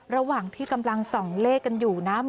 ระหว่างที่กำลังส่องเลขกันอยู่นะ